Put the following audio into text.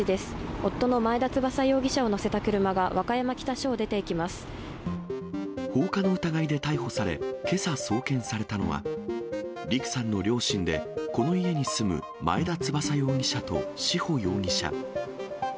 夫の前田翼容疑者を乗せた車が、放火の疑いで逮捕され、けさ、送検されたのは、陸さんの両親で、この家に住む前田翼容疑者と志保容疑者。